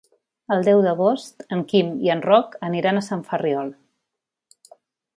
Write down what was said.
El deu d'agost en Quim i en Roc aniran a Sant Ferriol.